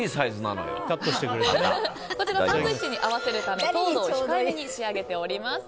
こちらサンドイッチに合わせるため糖度を控えめに仕上げております。